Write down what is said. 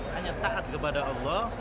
hanya taat kepada allah